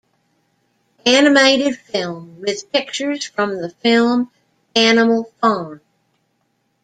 "Animated Film: With Pictures from the Film 'Animal Farm"'